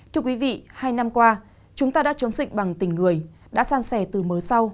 thưa quý vị hai năm qua chúng ta đã chống dịch bằng tình người đã san sẻ từ mớ sau